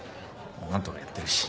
何とかやってるし。